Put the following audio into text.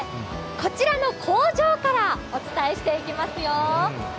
こちらの工場からお伝えしていきますよ。